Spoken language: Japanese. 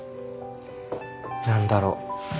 何だろう。